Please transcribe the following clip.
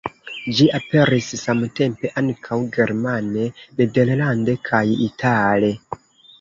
Ĝi aperis samtempe ankaŭ germane, nederlande kaj itale.